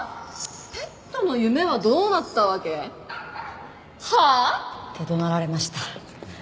ペットの夢はどうなったわけ？はあ！？って怒鳴られました。